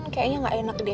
kayaknya gak enak deh